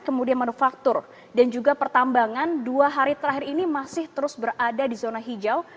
kemudian manufaktur dan juga pertambangan dua hari terakhir ini masih terus berada di zona hijau